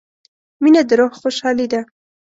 • مینه د روح خوشحالي ده.